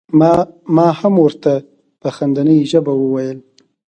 ما هم ور ته په خندنۍ ژبه وویل.